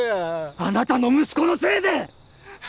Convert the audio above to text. あなたの息子のせいで！